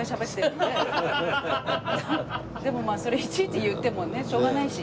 でもまあそれいちいち言ってもねしょうがないしと思って。